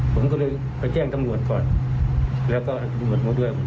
ผมก็เลยไปแจ้งตำรวจก่อนแล้วก็ตำรวจมาด้วย